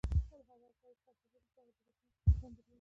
هغې د ښایسته خاطرو لپاره د روښانه ساحل سندره ویله.